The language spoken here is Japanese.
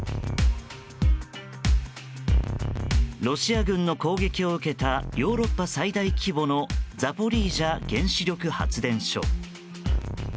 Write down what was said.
ロシア軍の攻撃を受けたヨーロッパ最大規模のザポリージャ原子力発電所。